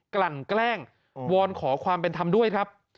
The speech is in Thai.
กลั่นแกล้งวนคอความเป็นทำด้วยครับ